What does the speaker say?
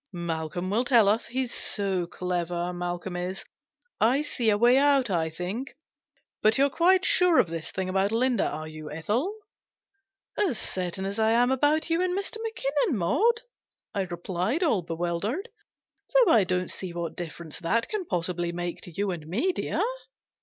Malcolm will tell us ; he's so clever, Malcolm is. I see a way out, I think. But you're quite sure of this thing about Linda, are you, Ethel ?"" As certain as I am about you and Mr. Mackinnon, Maud," I replied, all bewildered. " Though I don't see what difference that can possibly make to you and me, dear."